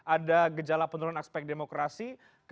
ada gejala penurunan aspek demokrasi